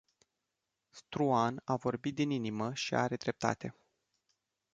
Struan a vorbit din inimă și are dreptate.